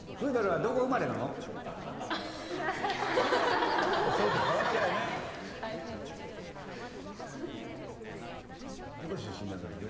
どこ出身なんだろうね。